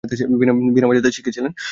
বীণা বাজাতে শিখেছিলেন।